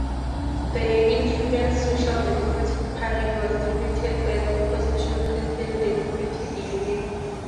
The incumbent Social Democratic Party was defeated by the opposition Christian Democratic Union.